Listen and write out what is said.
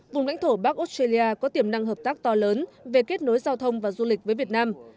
vùng lãnh thổ bắc australia có tiềm năng hợp tác to lớn về kết nối giao thông và du lịch với việt nam